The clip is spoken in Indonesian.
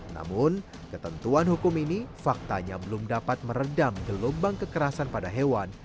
namun ketentuan hukum ini faktanya belum dapat meredam gelombang kekerasan pada hewan